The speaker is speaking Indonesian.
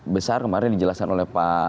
besar kemarin dijelaskan oleh